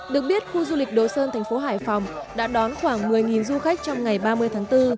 được biết khu du lịch đồ sơn thành phố hải phòng đã đón khoảng một mươi du khách trong ngày ba mươi tháng bốn